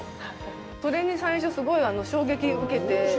それに最初すごい衝撃を受けて。